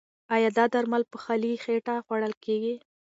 ایا دا درمل په خالي خېټه خوړل کیږي؟